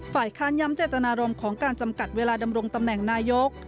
ฝ่ายค้านย้ำเจตนารมณ์ของการจำกัดเวลาดำรงตำแหน่งนายก